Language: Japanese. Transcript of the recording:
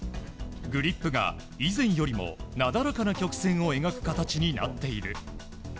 グリップが以前よりもなだらかな曲線を描く形になっている。